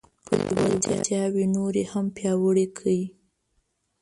خپلې وړتیاوې نورې هم پیاوړې کړئ.